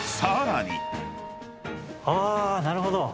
あなるほど。